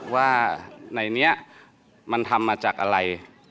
ว่าในนี้มันทำมาจากอะไร